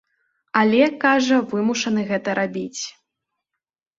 Але, кажа, вымушаны гэта рабіць.